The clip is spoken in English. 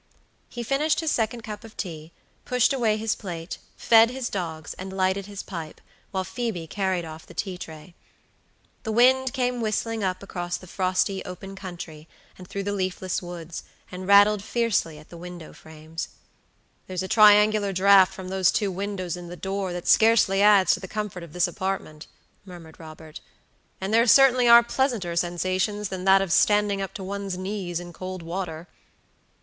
He finished his second cup of tea, pushed away his plate, fed his dogs, and lighted his pipe, while Phoebe carried off the tea tray. The wind came whistling up across the frosty open country, and through the leafless woods, and rattled fiercely at the window frames. "There's a triangular draught from those two windows and the door that scarcely adds to the comfort of this apartment," murmured Robert; "and there certainly are pleasantér sensations than that of standing up to one's knees in cold water."